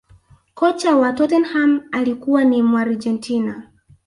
kocha wa tottenham alikuwa ni muargentina